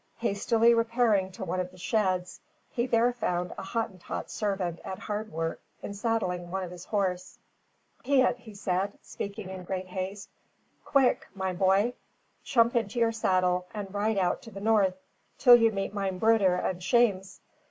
Hastily repairing to one of the sheds, he there found a Hottentot servant at hard work in saddling one of his horse. "Piet," said he, speaking in great haste, "quick, mine poy! chump into your saddle, and ride out to the north till you meet mine bruder and Shames.